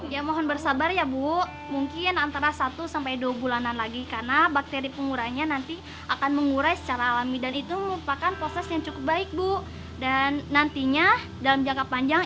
jadi kita bisa mulai panas alam kita saja